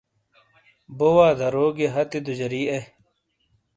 بو وا درو گئیے ہتی دُوجاری اے۔